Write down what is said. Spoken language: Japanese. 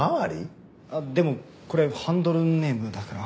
でもこれハンドルネームだから。